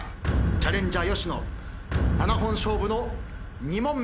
チャレンジャー吉野７本勝負の２問目。